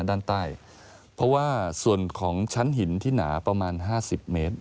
ด้านใต้เพราะว่าส่วนของชั้นหินที่หนาประมาณ๕๐เมตร